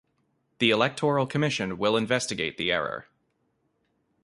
The Electoral Commission will investigate the error.